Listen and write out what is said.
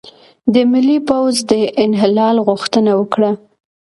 د ملي پوځ د انحلال غوښتنه وکړه،